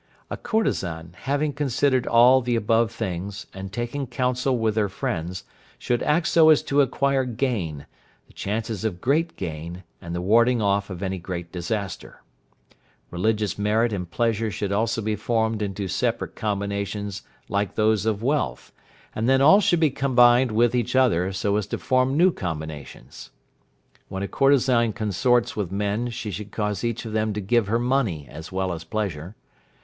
A courtesan, having considered all the above things, and taken council with her friends, should act so as to acquire gain, the chances of great gain, and the warding off of any great disaster. Religious merit and pleasure should also be formed into separate combinations like those of wealth, and then all should be combined with each other, so as to form new combinations. When a courtesan consorts with men she should cause each of them to give her money as well as pleasure.